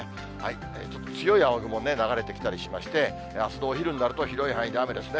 ちょっと強い雨雲、流れてきたりしまして、あすのお昼になると、広い範囲で雨ですね。